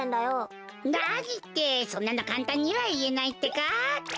なにってそんなのカンタンにはいえないってか。